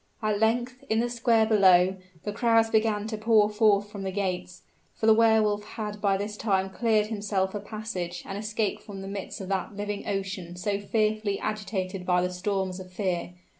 At length, in the square below, the crowds began to pour forth from the gates, for the Wehr Wolf had by this time cleared himself a passage and escaped from the midst of that living ocean so fearfully agitated by the storms of fear.